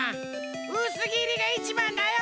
うすぎりがいちばんだよ。